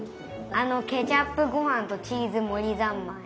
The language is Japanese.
あのケチャップごはんとチーズもりざんまい。